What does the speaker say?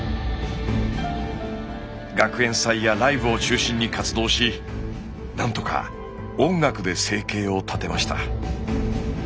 学園祭やライブを中心に活動し何とか音楽で生計を立てました。